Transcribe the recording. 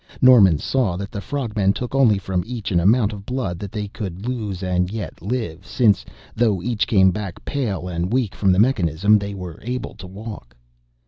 Norman saw that the frog men took only from each an amount of blood that they could lose and yet live, since, though each came back pale and weak from the mechanism, they were able to walk.